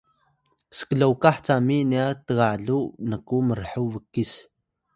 sklokah cami nya tgaluw nku mrhuw bkis